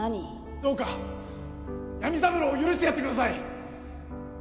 どうかヤミサブロウを許してやってください！